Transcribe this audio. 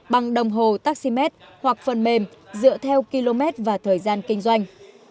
bằng đồng hồ taxi met hoặc phần mềm dựa theo km và thời gian kinh doanh